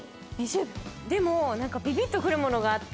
でもビビっと来るものがあって。